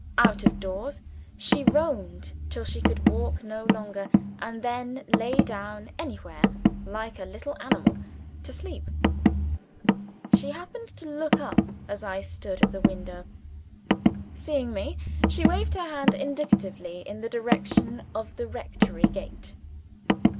Out of doors, she roamed till she could walk no longer, and then lay down anywhere, like a little animal, to sleep. She happened to look up as I stood at the window. Seeing me, she waved her hand indicatively in the direction of the rectory gate.